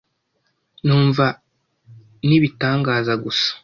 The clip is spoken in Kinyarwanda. numva ni ibitangaza gusa